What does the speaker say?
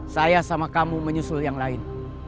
saya sama kamu menyusul yang lain